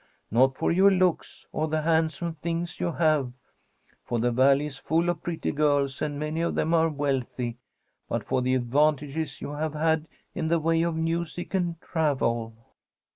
Not for your looks or the handsome things you have (for the Valley is full of pretty girls, and many of them are wealthy), but for the advantages you have had in the way of music and travel.